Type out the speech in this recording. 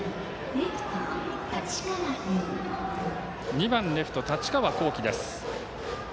２番レフト、太刀川幸輝です。